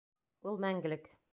Ул мәңгелек.